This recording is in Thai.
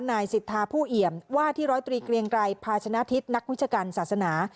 นายสิทธาผู้เอี่ยมว่าที่ร้อยตรีเกรียงไกรภาชนะทิศนักวิชาการศาสนา